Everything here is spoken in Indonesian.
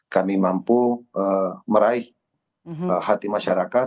kami mampu meraih hati masyarakat